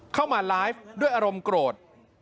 เข้ามาไลฟ์ด้วยอารมณ์โกรธ